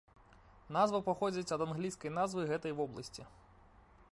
Назва паходзіць ад англійскай назвы гэтай вобласці.